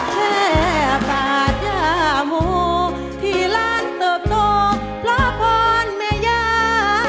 แค่ปาดยามูที่ร้านตบโน้มพระพรเมยา